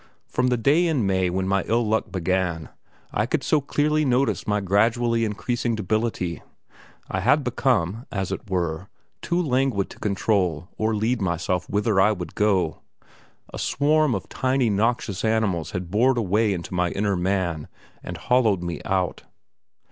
From the day in May when my ill luck began I could so clearly notice my gradually increasing debility; I had become, as it were, too languid to control or lead myself whither I would go. A swarm of tiny noxious animals had bored a way into my inner man and hollowed me out.